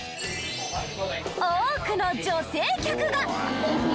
多くの女性客が。